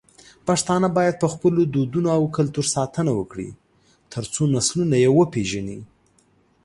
پښتانه بايد په خپلو دودونو او کلتور ساتنه وکړي، ترڅو نسلونه يې وپېژني.